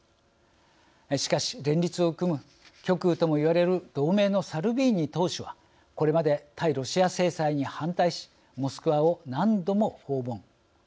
しかし、連立を組む極右ともいわれる同盟のサルビーニ党首はこれまで、対ロシア制裁に反対しモスクワを何度も訪問。